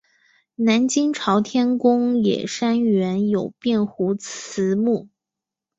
南京朝天宫冶山原有卞壸祠墓。